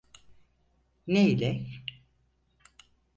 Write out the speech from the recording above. Ne ile?